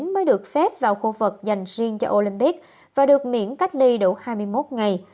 mới được phép vào khu vực dành riêng cho olympic và được miễn cách ly đủ hai mươi một ngày